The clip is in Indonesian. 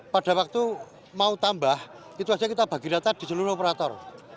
pada waktu mau tambah itu saja kita bagi rata di seluruh operator